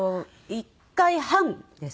１回半です。